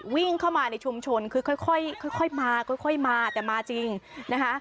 วิ่งเข้ามาในชุมชนคือค่อยค่อยค่อยค่อยมาค่อยค่อยมาแต่มาจริงนะคะ